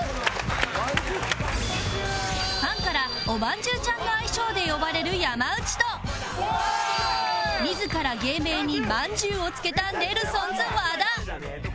ファンからおまんじゅうちゃんの愛称で呼ばれる山内と自ら芸名にまんじゅうを付けたネルソンズ和田